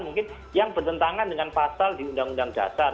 mungkin yang bertentangan dengan pasal di undang undang dasar